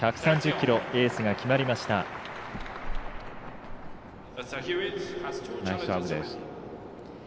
キロエースが決まりました。